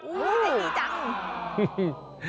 ดิจัง